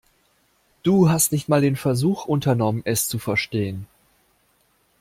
Du hast nicht mal den Versuch unternommen, es zu verstehen.